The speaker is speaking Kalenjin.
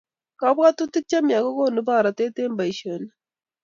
Kabwatutik chemiach kokonu borotet eng boishonik